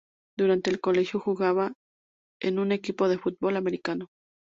Durante el colegio jugaba en un equipo de fútbol americano.